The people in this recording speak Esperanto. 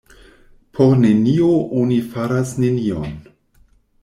Por nenio oni faras nenion.